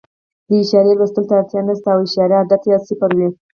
د اعشاریې لوستلو ته اړتیا نه شته او اعشاریه عدد یې صفر وي.